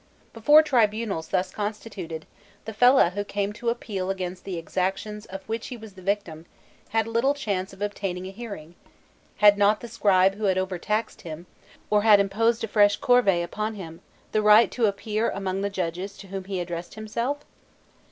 Before tribunals thus constituted, the fellah who came to appeal against the exactions of which he was the victim had little chance of obtaining a hearing: had not the scribe who had overtaxed him, or who had imposed a fresh corvée upon him, the right to appear among the Judges to whom he addressed himself?